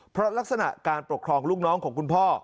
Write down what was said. เพราะลักษณะการปกครองลูกน้องของคุณพ่อ